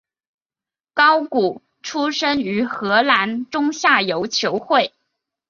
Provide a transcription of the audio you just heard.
高古出身于荷兰中下游球会。